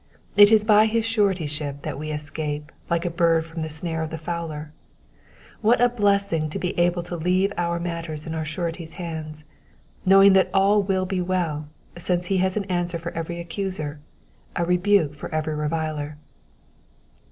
It is by his suretyship that we escape like a bird from the snare of the fowler. What a blessing to be able to leave our matters in our Surety's hands, knowing that all will be well, since he has an answer for every accuser, a rebuke for every reviler.